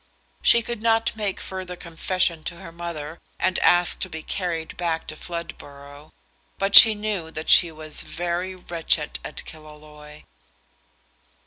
She could not make further confession to her mother and ask to be carried back to Floodborough; but she knew that she was very wretched at Killaloe.